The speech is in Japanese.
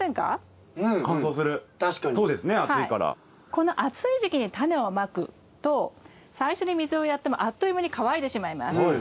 この暑い時期にタネをまくと最初に水をやってもあっという間に乾いてしまいます。